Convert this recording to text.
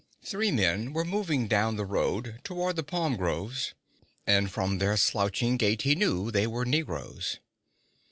Three men were moving down the road toward the palm groves, and from their slouching gait he knew they were negroes.